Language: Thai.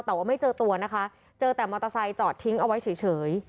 แต่ว่าไม่เจอตัวนะคะเจอแต่มอเตอร์ไซค์จอดทิ้งเอาไว้เฉย